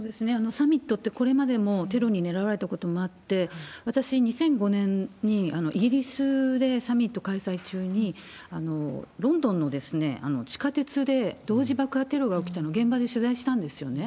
サミットってこれまでもテロに狙われたこともあって、私、２００５年にイギリスでサミット開催中に、ロンドンの地下鉄で、同時爆破テロが起きたの、現場で取材したんですよね。